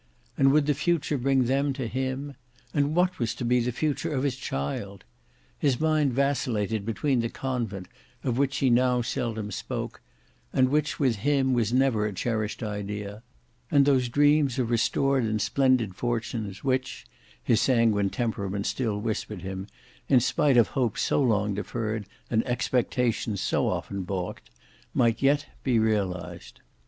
And would the future bring them to him? And what was to be the future of his child? His mind vacillated between the convent of which she now seldom spoke, and which with him was never a cherished idea, and those dreams of restored and splendid fortunes which his sanguine temperament still whispered him, in spite of hope so long deferred and expectations so often baulked, might yet be realized.